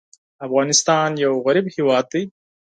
افغانستان یو غریب هېواد دی.